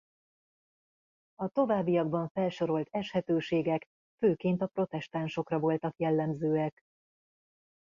A továbbiakban felsorolt eshetőségek főként a protestánsokra voltak jellemzőek.